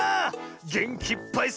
げんきいっぱい